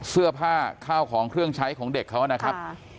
เสื้อผ้าข้าวของเครื่องใช้ของเด็กเขานะครับ